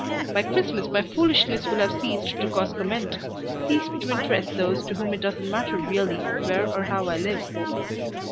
By Christmas my foolishness will have ceased to cause comment, ceased to interest those to whom it doesn't matter really where or how I live.